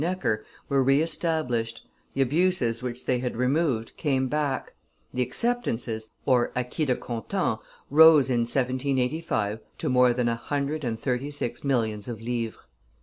Necker were re established, the abuses which they had removed came back, the acceptances (acquits de comptant) rose in 1785 to more than a hundred and thirty six millions of livres.